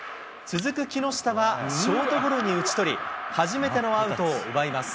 続く木下は、ショートゴロに打ち取り、初めてのアウトを奪います。